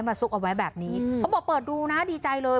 ซุกเอาไว้แบบนี้เขาบอกเปิดดูนะดีใจเลย